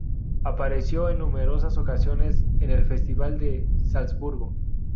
Apareció en numerosas ocasiones en el Festival de Salzburgo.